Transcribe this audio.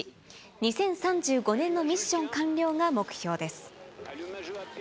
２０３５年のミッション完了が目標です。